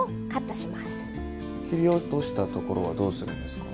切り落としたところはどうするんですか？